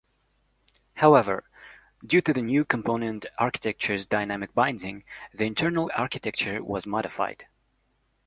However, due to the new component architecture's dynamic binding, the internal architecture was modified.